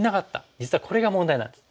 実はこれが問題なんです。